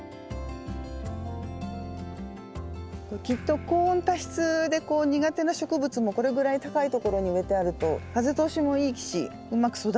きっと高温多湿で苦手な植物もこれぐらい高い所に植えてあると風通しもいいしうまく育つでしょうね。